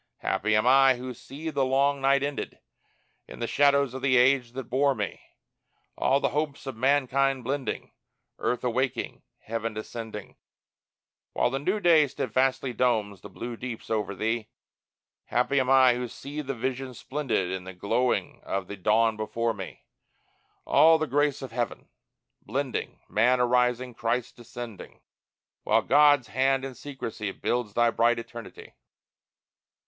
Happy am I who see the long night ended. In the shadows of the age that bore me, All the hopes of mankind blending, Earth awaking, heaven descending, While the new day steadfastly Domes the blue deeps over thee! Happy am I who see the Vision splendid In the glowing of the dawn before me, All the grace of heaven blending, Man arising, Christ descending, While God's hand in secrecy Builds thy bright eternity.